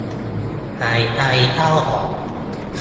หายใจเข้าออก